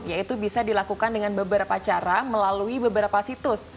yaitu bisa dilakukan dengan beberapa cara melalui beberapa situs